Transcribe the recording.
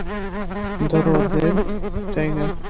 ধরো ওদের, টাইগার!